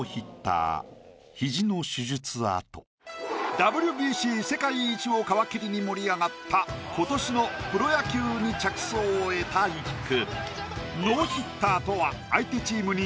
ＷＢＣ世界一を皮切りに盛り上がった今年のプロ野球に着想を得た一句。